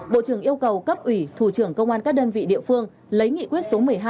bộ trưởng yêu cầu cấp ủy thủ trưởng công an các đơn vị địa phương lấy nghị quyết số một mươi hai